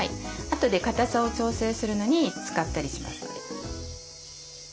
あとでかたさを調整するのに使ったりしますので。